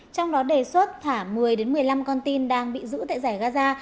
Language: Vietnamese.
trong đó đề xuất thả một mươi một mươi năm con tin đang bị giữ tại giải gaza